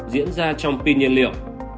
diễn ra trong pin nhiên liệu